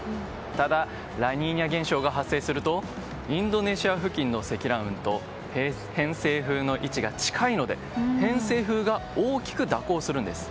ただラニーニャ現象が発生するとインドネシア付近の積乱雲と偏西風の位置が近いので偏西風が大きく蛇行するんです。